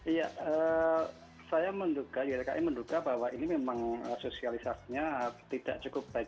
iya saya menduga ylki menduga bahwa ini memang sosialisasinya tidak cukup baik